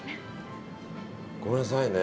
ごめんなさいね。